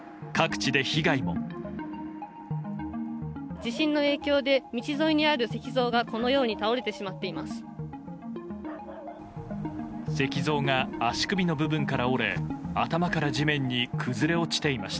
地震の影響で道沿いにある石像がこのように倒れてしまっています。